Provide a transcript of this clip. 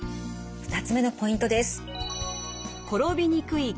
２つ目のポイントです。